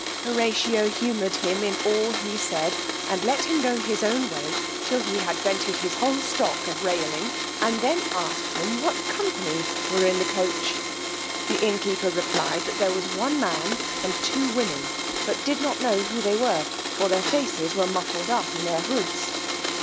Horatio humoured him in all he said, and let him go on his own way till he had vented his whole stock of railing, and then asked him what company were in the coach. The innkeeper replied, that there was one man and two women, but did not know who they were, for their faces were muffled up in their hoods.